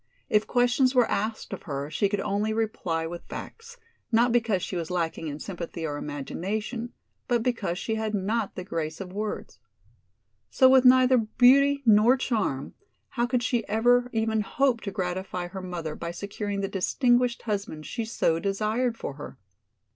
If questions were asked of her she could only reply with facts, not because she was lacking in sympathy or imagination, but because she had not the grace of words. So with neither beauty nor charm, how could she ever even hope to gratify her mother by securing the distinguished husband she so desired for her?